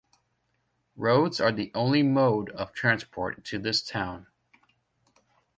Roads are the only mode of transport to this town.